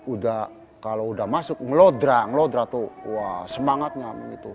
udah kalau udah masuk ngelodra ngelodra tuh wah semangatnya begitu